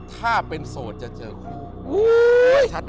ถ้าเป็นโสดจะเจอฮู้ยยยยยยย